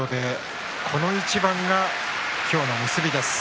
この一番が今日の結びです。